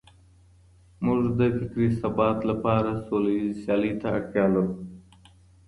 موږ د فکري ثبات لپاره سوليزې سيالۍ ته اړتيا لرو.